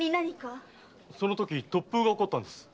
そのとき突風が起こったんです。